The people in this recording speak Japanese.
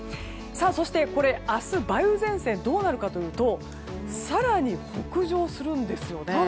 そして明日梅雨前線がどうなるかというと更に、北上するんですよね。